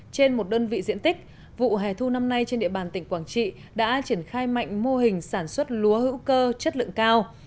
trên một đơn vị diện tích vụ hè thu năm nay trên địa bàn tỉnh quảng trị đã triển khai mạnh mô hình sản xuất lúa hữu cơ chất lượng cao